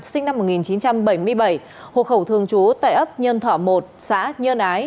sinh năm một nghìn chín trăm bảy mươi bảy hộ khẩu thương chú tại ấp nhân thỏ một xã nhân ái